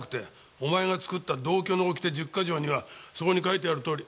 お前が作った「同居の掟十か条」にはそこに書いてあるとおり。